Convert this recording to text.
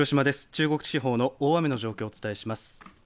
中国地方の大雨の状況をお伝えします。